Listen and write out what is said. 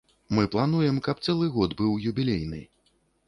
Мы плануем, каб цэлы год быў юбілейны.